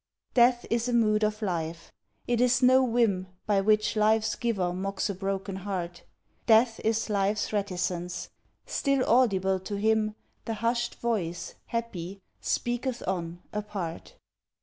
Death is a mood of life. It is no whim By which life's Giver mocks a broken heart. Death is life's reticence. Still audible to Him, The hushed voice, happy, speaketh on, apart.